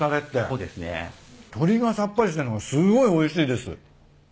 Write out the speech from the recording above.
鶏がさっぱりしてるのがすごいおいしいです。